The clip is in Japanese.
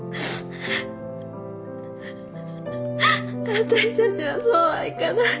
私たちはそうはいかない。